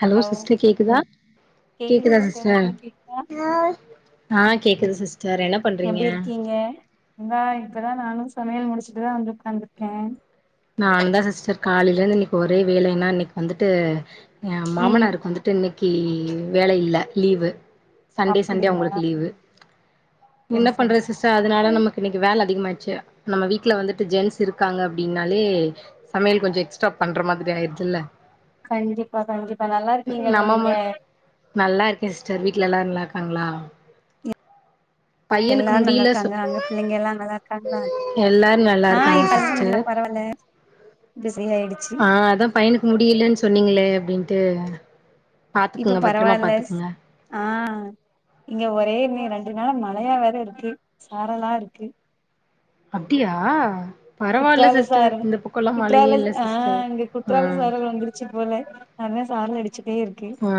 Hello sister கேக்குதா கேக்குது கேக்குதா சிஸ்டர் உங்களுக்கு கேக்குதா ஆ கேக்குது சிஸ் எப்டி இருக்கீங்க இந்தா இப்பதான் நானு சமையல் முடிச்சுட்டுதா வந்து உக்காந்துருக்கே நாந்தா சிஸ்டர் காலையிலிருந்து இன்னைக்கி ஒரே வேலைங்ளா இன்னைக்கி வந்துட்டு ஏன் ம் மாமனாருக்கு வந்துட்டு இன்னைக் கீ வேல இல்ல லீவு சண்டே சண்டே அப்படியா அங்களுக்கு லீவு செரி என்ன செரி பண்றது சிஸ்டர் அதனால நமக் இன்னைக்கு வேல அதிகமாச்சு நம்ம வீட்டுல வந்துட்டு ஜென்ஸ்சு இருக்காங்க அப்படின்னா லே சமையல் கொஞ்ச எக்ஸ்ட்ரா பண்ற மாதிரி ஆய்ருதுல்ல கண்டிப்பா கண்டிப்பா நல்லா இருக்கீங்கல்ல நம்ம நீங்க மட் நல்லா இருக்கே சிஸ்டர் வீட்ல எல்லாரு நல்லார்க் பாங்ளா எல்லாரு நல்லா இருக்காங்க அங்க பிள்ளைங்கெல்லா நல்லா இருக்காங்களா ஆ இப்ப [unintelligible] பரவல்ல ஆஹ் அதான் பையனுக் முடியல சொன்னீங்களே அப்டின்டு இப்ப பரவாயில்லஸ் ஆஹ் இங்க ஒரே ரெண்டு நாளா மா ழையா வேற இருக்கு சாரலா இருக்கு அப்டியா பரவால்ல குற்றால சிஸ்டர் சாரல் இந்த பக்கோல்லா குற்றால மழையே இல்ல சிஸ்டர் ஆஹ் இங்க ஆ குற்றால சாரல் வந்துருச்சு போல அதா [unintelligible] ச்சுட்டே இருக்கு ஆ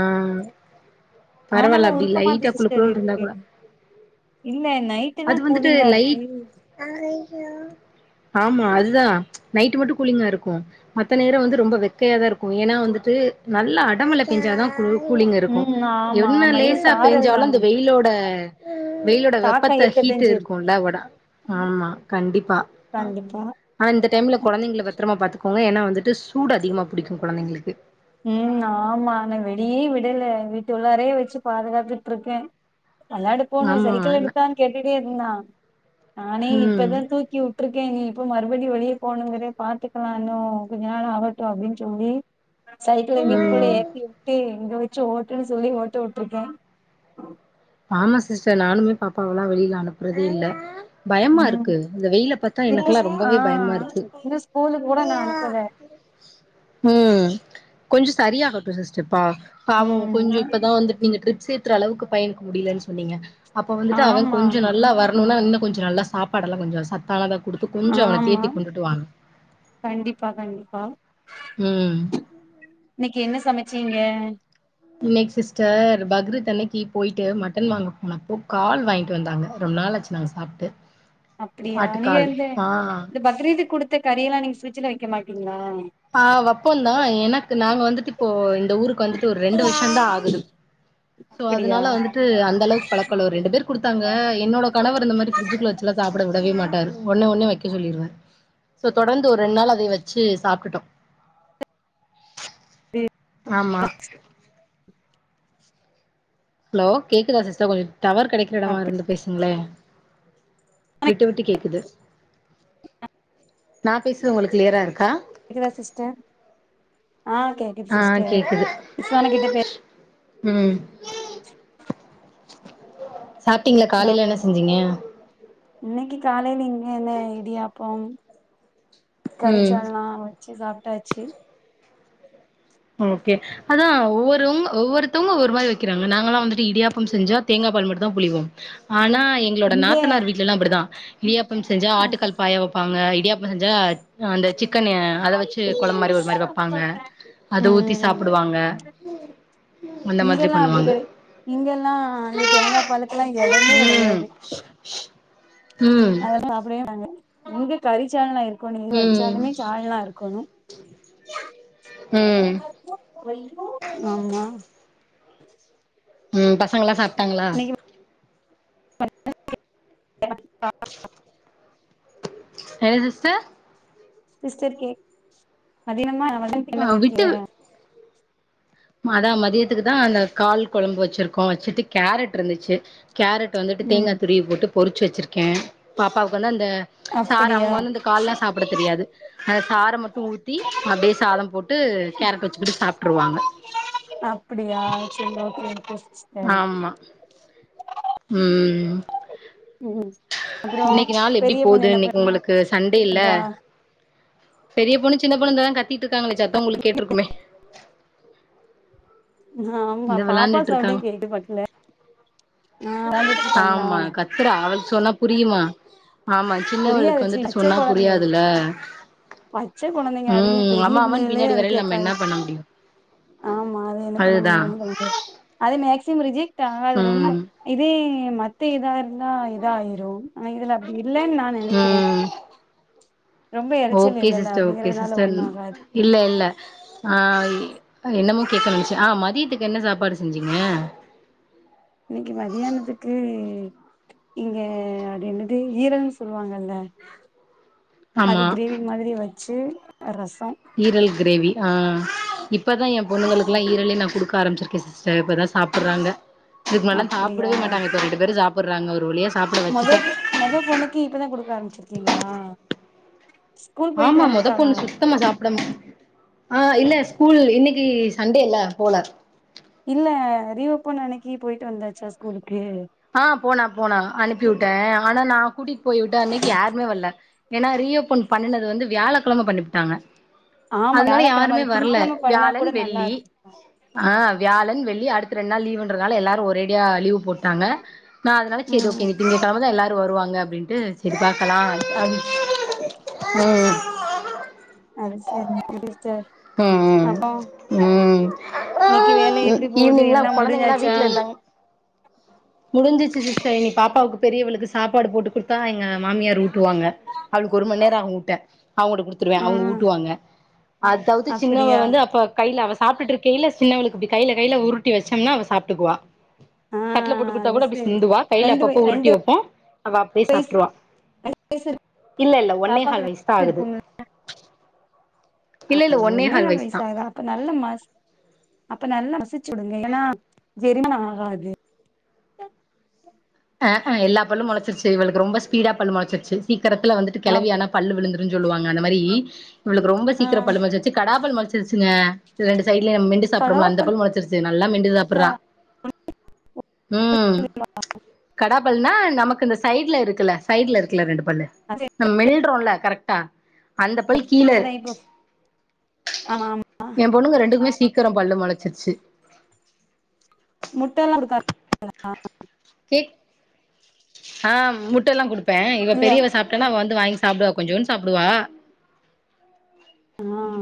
ஆனாலு பரவால்ல அப்டி உருக்கமாதா லைட்டா குளு சிஸ்டர் குளுன்னு இருந்தா இருக்கு கூட இல்ல நைட் அது வந்துட்டு லைட் ஆ ஆமா அதுதா நைட் மட்டு கூலிங்கா இருக்கு மத்த நேரம் வந்து ரொம்ப வெக்கையாதா இருக்கும் ஏன்னா வந்துட்டு நல்லா அட மழ பேஞ்சாதா கூ கூலிங்கு இருக்கும் ம் ஆமா என்ன ஆமா இது லேசா சாரல் பேஞ்சாலும் இந்த தான வெயிலோட வெயிலோட வெப் தாக்கோ அப்பத்த ஹீட் இருக்கத்தஞ்சு இருக்கு இருக்கும்ல உட ஆமா கண்டிப்பா ஆ கண்டிப்பா ஆனா இந்த டைம்ல கொழந்தைங்கள பத்திரமா பாத்துக் போங்க ஏன்னா வந்துட்டு சூடு அதிகமா புடிக்கு கொழந்தைங்களுக்கு உம் ஆமா நா வெளியே விடல வீட்டு உள்ளாரேயே வச்சு பாதுகாத்துட்ருக்கே வேளாட போணு ஆமா சைக்கிள் ந- எடுத்தான்னு கேட்டுட்டே இருந்தா நானே ம் இப்பதா தூக்கி வுட் ட்ருக்கே நீ இப்ப மறுபடி வெளியே போகணுங்கிறே பாத்துக்கலா இன்னு கொஞ்ச நாள் ஆகட்டு அப்டின்னு சொல்லி சைக்கிள வீட்டுக்குள்ள ம் ஏத்தி விட்டு இங்க வெச் ச்சு ஓட்டுன்னு சொல்லி ஓட்ட விட்ருக்கே ஆமா சிஸ்டர் நானுமே பாப்பாவல்லா வெளியில அனுப்புறதே இல்ல பயமா ம் இருக்கு இந்த வெயில பாத்தா இது எனக்கெல்லா ஸ் ஆ ரொம்பவே பயமா இருக்கு இது ஸ்கூலுக்கு கூட நா அனுப்பல ம் கொஞ்ச சரியாகட்டு சிஸ்டர் ப்ப பாவோ ம் கொஞ்ச நா இப்பதா வந்துட்டு நீங்க ட்ரி சீத்ர அளவுக்கு பயன் முடியலன்னு சொன்னீங்க அப்ப வந்துட்டு அவ ஆமா கொஞ்சம் நல்லா வரணும்னா இன்னு கொஞ்ச நல்லா சாப்பாடல்லா கொஞ்ச சத் த்தானதா குடுத்து கொஞ்ச அவனை ஆமா தேத்தி கொண்டுட்டு வாங்க கண்டிப்பா கண்டிப்பா உம் இன்னைக்கு என்ன சமைச்சீங்க இன்னைக்கி சிஸ்டர் பக்ஈத் அன்னைக் க்கி போயிட்டு மட்டன் வாங்க போனப்போ கால் வாங்கிட்டு வந்தாங்க ரொம்ப நாள் ஆச்சு நாங்க சாப்ட்டு அப்படியா நீ ஆட்டுக்கால் வந்து ஆ இந்த பக்ரீது குடுத்த கறிறெல்லாம் நீங்க பிரிட்சுல வைக்க மாட் ங்ளா ஆஹ் வப்பம் தான் எனக்கு நாங்க வந்துட்டு இப்போ இந்த ஊருக்கு வந்துட்டு ஒரு ரெண்டு வருஷம்தான் ஆகுது சோ அப்டியா அதனால வந்துட்டு அந்த அளவுக்கு பழக்கள இல்ல ஒரு ரெண்டு பேர் குடுத்தாங்க என்னோட கணவர் இந்தமாரி பிரிட்ஜுக்குள்ள லா வச்சுலாம் சாப் ப்ட வுடவே மாட்டார் ஒன்னே ஒன்னே வைக்க சொல்லிருவாரு சோ தொடர்ந்து ஒரு ரெண்டு நாள் அதை வச்சு சாப்டுட்டோம் ஆமா ஹலோ கேக்குதா சிஸ்டர் கொஞ்சோ டவர் கிடைக்கிற இடமா அப்டி இருந்து பேசுங்களே விட்டு விட்டு கேக்குது நான் பேசுறது உங்களுக்கு கிளியரா இருக்கா கேக்குதா சிஸ்டர் ஹா கேக்குது ஆ சிஸ்டர் கிஷான் கிட்ட பே உம் [unintelligible] சாப்ட்டீங்களா ஹலோ காலையில என்ன செஞ்சீங்க இன்னைக்கு காலையில இங்க என்ன இடியாப்போம் ம் கறிச்சால்னா வச்சு சாப்ப டாச்சி ஓகே அதான் ஒவ்வொருவங்க ஒவ்வொருத்தவங்க ஒவ்வொரு மாரி வைக்கிறாங்க நாங்க எல்லாம் வந்துட்டு இடியாப்பம் செஞ்சா தேங்காய் பால் மட்டு தான் புழிவோம் ஆனா எங்களோட இங்க நாத்தனார் வீட்ல லாம் அப்டிதான் இடியாப்பம் செஞ்சா ஆ ஆட்டுக்கால் பாயா வைப்பாங்க இடியாப்பம் செஞ்சா அந்த சிக் [unintelligible] அத வச்சு கொளம்பு மாரி ஒரு மாரி வெப்பாங்க உம்ம் அந்த மாதிரி இங்கெல்லாம் அப்படி பண்ணுவாங்க. கடை இங்கெல்லாம் வந்து தேங்காய் பாலுக்கெல்லாம் எடமே ம். கெடையாது ம். அதெல்லாம் அப்படியே நாங்க இங்க கறிச்சால்னா இருக் [unintelligible] இங்க ம். வச்சாலுமே சால்னா இருக்கணும் ம். ஆமா உம் பசங்களா சாப் ட்டாங்ளா இன்னைக்கு [unintelligible] என்ன சிஸ்டர் சிஸ்டர் கேக் மதினமா மடக்கு என்ன அ போயிருக்கியா விட்டு அதா மதியத்துக்கு தான் அந்த கால் குழம்பு வச்சிருக்கோம் வச்சுட்டு கேரட் இருந்துச்சு கேரட் வந்துட்டு ம் தேங்காய் துருவி போட்டு பொறிச்ச வச்சுருக்கு கே பாப்பாக்கு வந்து அந்த இந்த சார் அப்டியா அவுங்க வந்து இந்த கால்லா சாப்ட தெரியாது அத சார மட்டும் ஊத்தி அப்படியே சாதம் போட்டு கேரட் வச்சுக்கிட்டு சாப்பிட்டுருவாங்க அப்படியா சரி [unintelligible] உம் ம் அப்றோ இன்னைக்கி நாள் எப்டி பெரிய போது பொண்ணு என்ன இன்னைக்கி உங்களுக்கு சண்டே இல்ல பண்றா பெரிய பொண்ணு சின்ன பொண்ணு இங்கனதா கத்திட்டு இருக்காங்களே சத்தோ உங்களுக்கு கேட்ருக்குமே ஆமா இந்தா பாப்பா வெளையாண்டுட்ருக்கா சவுண்டே கேக்குது பக்கத்துல ஆ வெளாண்டுட்டு இருக்காங்களா ஆமா கத்துறா அவளுக்கு சொன்னா புரியுமா ஆமா சின்னவளுக்கு புரியாது சி வந்துட்டு பச்ச சொன்னா கொழந்த புரியாதுல்ல பச்ச கொழந்தைங்க அதுங்க உம் பெரிய அம்மா அம்மான்னு பிள்ளைகளே பின்னாடி அத வரையில நம்ம கேக்காது என்ன பண்ண முடியும் ஆமா அதுதா [unintelligible] அது மேக்ஸ் திமுருஜி [unintelligible] அது ரொம்ப ம் இதே மத் த்த இதா இருந்தா இதாயிரும் இதுல அப்டி இல்லன்னு நா நெனைக்கிறே ம் ரொம்ப எரச்சல் ஓகே இல்லல்ல சிஸ்டர் ஓகே அப்டிங்கறதுனால சிஸ்டர் ஒண்ணு ஆகாது இல்ல இல்ல ஆஹ்ய் அ என்னமோ கேக்க நெனைச்சே ஆஹ் மதியத்துக்கு என்ன சாப்பாடு செஞ்சீங்க இன்னைக்கி மத்தியானத்துக்கு இங்க அது என்னது ஈரல்னு சொல்வாங்கல்ல அது ஆமா கிரேவி மாதிரி வய் ச்சு ரஸ் ஈரல் கிரேவி ஆஹ் இப் இப்பதா என் ஆமா பொண்ணுகளுக்கெல்லா ஈரலே நா குடுக்க ஆரம்பிச்சிருக்கே சிஸ் தா இப்பதா சாப்புடுறாங்க இதுக்கு மேல்லாம் அப்டியா சாப்பிடவே மாட்டாங்க சார் ரெண்டு பேரு சாப் போட்றாங்க ஒரு வழியா சாப்ட மொத வச்சுட்டே மொத பொண்ணுக்கு இப்பதா குடுக்க ஆரம்பிச்சிருக்கீங்களா ஸ்கூல் போயிட்டு ஆமா மொத பொண்ணு வந்துட்டாளா சுத்தமா சாப்ட மா ஆஹ் இல்ல ஸ்கூல் இன்னைக்கு சண்டே இல்ல போல இல்ல ரீஓப்பன் அன்னைக்கு போயிட்டு வந்தாச்சா ஸ்கூலுக்கு ஆஹ் போனா போனா அனுப்பி வுட்டேன் ஆனா நான் கூட்டிட்டு போய் விட்ட அன்னைக்கி யாருமே வல்ல ஏன்னா ரீ ஓப் போன் பன்னுனது வந்து வியாழக் கிழம பண்ணி புட்டாங்க ஆமா அதுனால வியாழக்கிழம யாருமே அது வர்ல திங்கெழம பண்ணா வியாழன் கூட நல்லா வெள்ளி இருக்கு ஆஹ் வியாழன் வெள் [unintelligible] அடுத்து ரெண்டு நாள் லீவுன்றதால எல்லாரும் ஒரேடியா லீவு போட்டாங்க நா அதனால சரி ம் ஓகே ம் இனி திங்கக்கிழமதா எல்லாரும் வருவாங் இங்க அப்படினுட்டு சிர்க்கா கலா அ உம் அது சரி [inaudible] அப்போ இங்க இன்னைக்கு வேலை எப்டி போகுது ம் எல்லா குழந்தைங்க முடிஞ்சாச்சா வீட்டுல இருக்காங்க முடிஞ்சச்சு ச பாப்பா அவக்கு பெரியவளுக்கு சாப்பாடு போட்டு கொடுத்தாய் மாமியார் ஊட்டுவாங்க அவளுக்கு ஒரு மணி நேரம் ஆகும்அவங்க வெ ஊட்டேன் அவங்க குடுத்துருவேன் ஆ அவங்க ஊட்டுவாங்க அதாவது சின்னவ அப்டியா வந்து அப்ப கையில அவசம் சாப்பிட்டு இருக்கையில சின்னவவளுக்கு இப்ப கில கையில உருட்டி வச்சோம்ன அவ சாப்பிட்டுக்குவா ஆ தட்டல போட்டு கொடுத்தா அது கூட அப்டி சரி சிந்துவா கையில ரெண்டு வய அப்பப்போ ரெண்டு உருட்டி வைப்போம் அவ அப்டியே வயசு சாப்டுறவா ரெண்டு வயசு இருக்கு இல்ல இல்ல ஒன்னே பாப்பாக்கு கால் ரெண்டு வயசு தான் ஆகுது அ இல்ல இல்ல ஒன்னே கால் வயசுதா வயசாகதா அப்ப நல்லமா அப்ப நல்லா வசிச்சுடுங்க ஏன்னா ஜெரிமம் ஆகாது அஹஹ எல்லா பல்லும் முளச்சிருச்சி இவள ரொம்பஸ்பீடா பல்லு முளச்சிருச்சி க்கத்துல வந்துட்டு அப் கிளவியானா பல் விழுந்துருன்னு சொல்லுவாங்க அந்த மாரி இவளுக்கு ரொம்ப ஆ சீக்கிரம் பல்ல மச்சுிருச்சு கடாப்பல் மளைச்சிருச்சுங்க ரெண்டு சைடுல மெண்டு சாப்பறோம்ல அந்த பல் கடவாப்பல்ல மளைச்சிருச்சு நல்லா மெண்டு சாப்பிடுறா ம் கடாபல்னா நமக்கு இந்த சைட்ல இருக்கல சைட்ல இருக்கல ரெண்டு ல்ல அதா நம்ம மில்றோம்ல கரெக்டா அந்த கீழர் இப்ப ஆமா ஆமா என் பொண்ணுங்க ரெண்டுக்குமே சீக்க இருக்கிறம் பல்லு முளச்சிருச்சு முட்ட எல்லாம்க்க ஆஹ் முட்டைெல்லாம் கொடுத்து இவ இல்ல பெரியவ சாப்டான முட்- அவ வந்து வாங்கிச்சாப் சாப்பிடுவா கொஞ்ச ஒன்னு சாப்பிடுவா ஆஹ்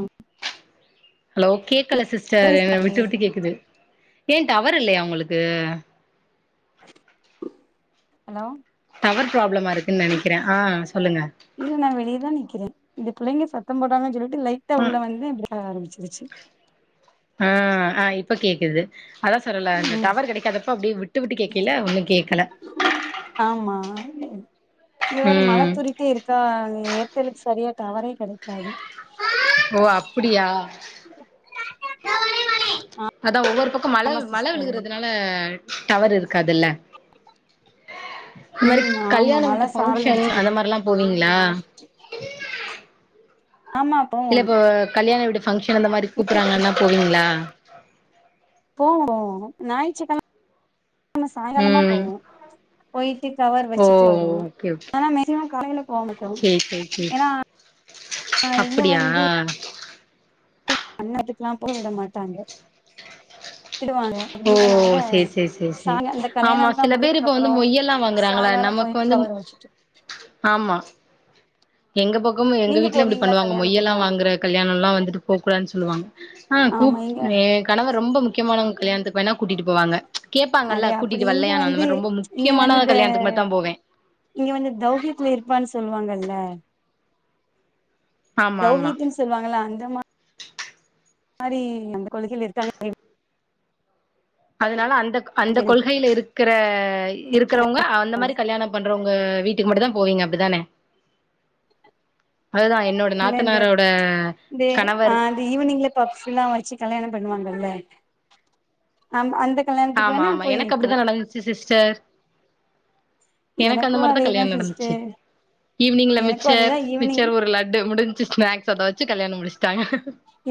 ஹலோ ஓகே கேக்கல சிஸ்டர் என் சாப்பிடு. விட்டு விட்டு கேக்குது ஏன் டவர் இல்லயா உங்களுக்கு ஹலோ டவர் ப்ராளமா இருக்கு க்குு இ- நினைக்கிறேன் ஆஹ் சொல்லுங்க இல்ல நா வெளியதா நிக்கிறே இந்த பிள்ளைங்க சத்தம் போட்டா தான் [inaudible] லைட்டா உள்ள ம் வந்து எப்டி ஆரம்பிச்சிருச்சு ஆஹ் ஆஹ் இப்ப கேக்குது அதா சொல்லல இந்த ம் டவர் கெடைக்காதப்ப அப்டியே விட்டு விட்டு கேக்கைல ஒன்னு கேக்கல ஆமா இதுவறு மழை ம் துரிட்டி இருக்கா ஏத்தலுக்கு சரியா டவரே கெடைக்காது ஓ அப்டியா அதான் ஒவ்வர் ஓ பக்கம் மழ ஆமா மழ சிஸ்டர் விழுகறதுனால டவர் இருக்கு அதுல்ல இந்த மாதிரி ம் ஆமா கல்யாணம் மழ வீட்டு சாரல் பங்க்ஷன் அடிச்சுட்டு அந்த மாதிரல்லாம் போவீங்களா ஆமா போவோ இல்ல இப்போ கல்யாணம் வீடு பங்க்ஷன் அந்த மாரி கூப்பறாங்கனாப் போவீங்களா நா ஏய் ச்சக்கல நம்ம சாயங்காலமாப் ம் போவோம் போய் கவர் ஓ வச்சுட்டு வருவோம் ஓகே ஓகே ஆன மெக்சிமம் காலைல போக மாட்டோம் சேரி சேரி சேரி ஏன்னா இங்க அப்டியா வந்து [unintelligible] அண்ண அதுக்குலாம் போவிட மாட்டாங்க த்துடுவாங்க ஓ அப்டிங்கறனால சேரி சேரி சேரி சா சேரி அந்த ஆமா கல்யாணம் எல்லாம் சில பேர் முடிதுக்கு இப்ப வந்து அப்புறம் மொய்யெல்லா வாங்குறாங்கள சாய்காலம் நமக்கு போயிட்டு வந்து கவர வச்சுட்டு ஆமா எங்க பக்கும் எங்க நீங்க வீட்ல இப்டி போவீங்களா பண்ணுவாங்க மொய்யெல்லாம் கல்யாணத்துக்குலா வாங்குற கல்யாணம்லாம் வந்துட்டு போக் கூடாதுனு சொல்லுவாங்க ஆஹ் கூ ஆமா இங்க என் கணவர் ரொம்ப மு முக்கமானவங்க கல்யாணத்துக்கு வேணா கூட்டிட்டு போவாங்க கேப்பாங்கல்ல நறைய அப்டி கூட்டிட்டு இங்க வல்லையா நான் அந்த வந்து மாரி ரொம்ப இங்க இங்க வந்து முக்கியமான ந்து கல்யாணத்துக்கு இந்த மட்டுந்தா போவே இங்க வந்து தௌக்கியத்துல இருப்பான்னு சொல்லுவாங்கல்ல ஆமா ஆமா தௌஹித்ன்னு சொல்லுவாங்கள அந்த மா [inaudible] மாறி அந்த கொள்கையில இருக்காங்க அதனால அந் [unintelligible] அந்த கொள்கைல இருக்கற இருக்குறவங்க அந்த மாரி கல்யாணம் பண்றவங்க வீட் இதுக்கு மட்டும் தான் போவீங்க அப்படிதானே இல்ல இந்த தே அ கணவர் இது ஈவினிங்ல [unintelligible] வச்சு கல்யாணம் பண்ணுவாங்க [unintelligible] ஆமா ஆமா எனக்கு அப்டிதான் நடந்துச்சு சிஸ் செர் எனக்கு அந்த மாரி தான் எனக்கு அந்த மாரி தான் அதேதா கல்யாணம் சிஸ்டர் நடந்துச்சு ஈவினிங்ல எனக்கு அதேதா மிச்சர் ஈவினிங் மிச்சர் ஒரு லட்டு முடிஞ்சு ஸ்நாக்ஸ் அத வச்சு கல்யாண முடிச்சிடாங்க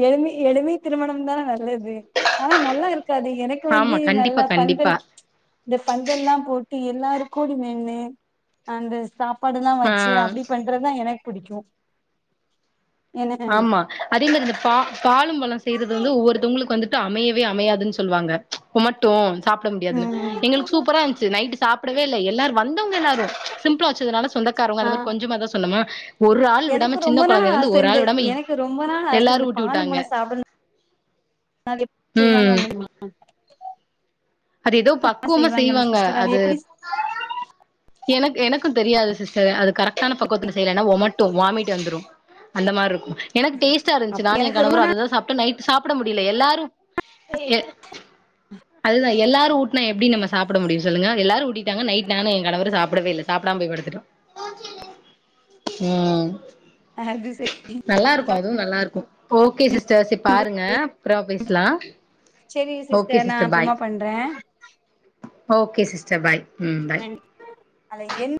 எலுமி எலுமி திருமணம் தான் நல்லது து ஆனா நல்லா இருக்காது எனக்கு வந்து ஆமா கண்டிப்பா நல்லா பந்தல் கண்டிப்பா இந்த பந்தல்ல்லாம் போட்டு எல்லாரும் [unintelligible] அந்த ஸ்டாப் [unintelligible] சாப்பாடுலாம் வச்சு ஆ அப்டி பண்றதுதான் எனக்கு புடிக்கும் ஆமா அதே மாரி இந்த பா பாலும் பழம் செய்றது வந்து ஒவ்வொருத்தவங்க உங்ளுக்கு வந்துட்டு அமையவே அமையாதுன்னு சொல்லுவாங்க உமட்டும் சாப்ட முடியாதுல ம் எங்ளுக்கு சூப்பரா இருந்துச்சு நைட் சாப்டவே இல்ல எல்லாரும் வந்தவங்க எல்லார் சிம்பிளா வச்சதுனால சொந்தக்காரவங்க ஆ அந்த மாரி கொஞ்சமா தான் சொன்னோமா ஹக் ஒரு ஆள் எனக்கு விடாம சின்ன ரொம்ப நாள் குழந்தையில் இருந்து ஆச ஒரு இந்த ஆள் எனக்கு ரொம்ப நாள் ஆச எல்லாரு இந்த ஊட்டி பாலு விட்டாங்க பழம் சாப்டனும் அதை எப்டி செய்வாங்க ம் உங்களுக்கு தெரியும்மா அது ஏதோ பக்குவமா செய்வாங்கல்ல செய்வாங்க சிஸ்டர் அது எப்டி எனக்கு எனக்கும் தெரியாது சிஸ்டர் அது கரெக்டான பக்குவத்துல செய்லன்னா ஓமட்டும் வாமிட் வந்துரும் அந்த மாருக்கும் எனக்கு டேஸ்டா இருந்துச்சி அப்டி நானும் என் எனக்கு ரொம்ப கணவரும் நாள் அததான் நைட் சாப்ட முடில எல்லாரும் தே அதுதான் எல்லாரும் ஊட்னா எப்டி நம்ம சாப்ட முடியும் சொல்லுங்க எல்லாரும் ஊட்டிட்டாங்க நைட் நானும் என் கணவரு சாப்டவே இல்ல சாப்பிடாம போய் படுத்துட்டோம் உம் அது செரி நல்லா இருக்கும் அதுவும் நல்லா இருக்கும் ஓகே சிஸ்டர் சேரி பாருங்க அப்பறமா பேசலாம் சேச்ரிங்க சிஸ்டர் நான் அப்றமா பண்றேன் ஓகே சிஸ்டர் பாய் ம் பாய் [unintelligible] அழ என்